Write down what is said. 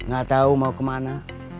gak tau mau kemana